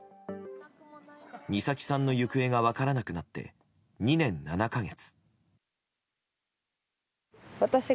美咲さんの行方が分からなくなって２年７か月。